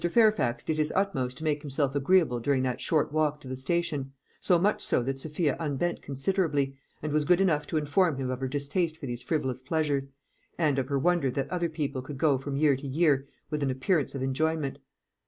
Fairfax did his utmost to make himself agreeable during that short walk to the station; so much so that Sophia unbent considerably, and was good enough to inform him of her distaste for these frivolous pleasures, and of her wonder that other people could go on from year to year with an appearance of enjoyment.